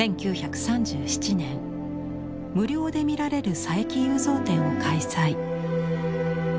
１９３７年無料で見られる佐伯祐三展を開催。